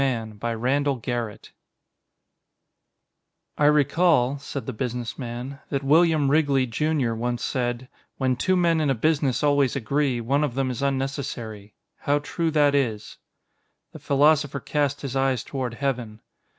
_ Illustrated by Martinez "I recall," said the Businessman, "that William Wrigley, Junior, once said: 'When two men in a business always agree, one of them is unnecessary.' How true that is." _The Philosopher cast his eyes toward Heaven.